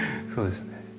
そうですね。